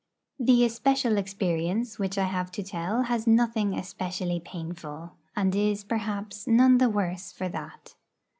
The especial experience which I have to tell has nothing especially painful, and is, perhaps, none the worse for that.